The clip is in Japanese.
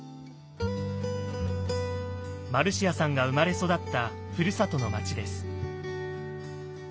マルシアさんが生まれ育ったふるさとの街です。